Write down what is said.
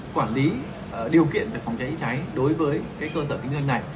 quản lý điều kiện về phòng cháy cháy đối với cơ sở kinh doanh này